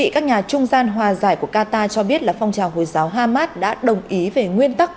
các nhà trung gian hòa giải của qatar cho biết là phong trào hồi giáo hamas đã đồng ý về nguyên tắc